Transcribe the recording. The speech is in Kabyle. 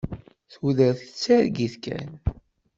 Tudert d targit kan.